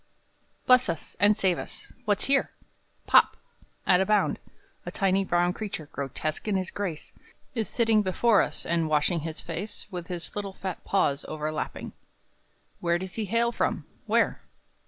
I. Bless us, and save us! What's here? Pop! At a bound, A tiny brown creature, grotesque in his grace, Is sitting before us, and washing his face With his little fat paws overlapping; Where does he hail from? Where?